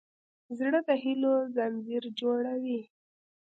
زړه د هيلو ځنځیر جوړوي.